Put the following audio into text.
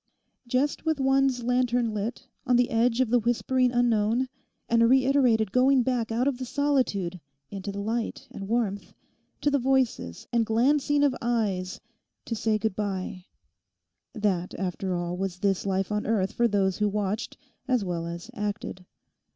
Just with one's lantern lit, on the edge of the whispering unknown, and a reiterated going back out of the solitude into the light and warmth, to the voices and glancing of eyes, to say good bye:—that after all was this life on earth for those who watched as well as acted.